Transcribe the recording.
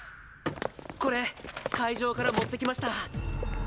これ会場から持ってきました。